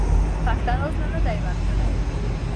پښتنو زړه نه دی ورکړی.